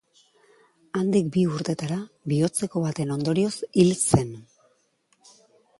Handik bi urtetara bihotzeko baten ondorioz hil zen.